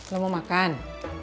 lu mau makan